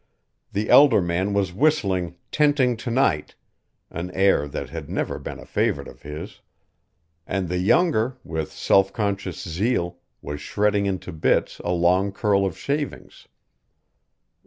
The elder man was whistling "Tenting To night," an air that had never been a favorite of his; and the younger, with self conscious zeal, was shredding into bits a long curl of shavings.